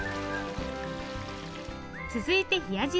続いて冷や汁。